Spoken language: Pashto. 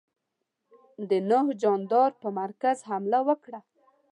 د نوح جاندار پر مرکز حمله وکړه.